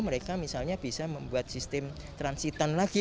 mereka misalnya bisa membuat sistem transitan lagi